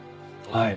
はい。